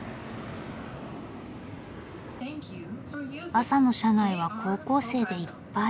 朝の車内は高校生でいっぱい。